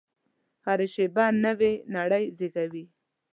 هره شېبه نوې نړۍ زېږوي.